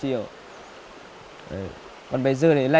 còn bây giờ